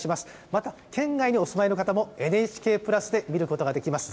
また県外にお住まいの方も、ＮＨＫプラスで見ることができます。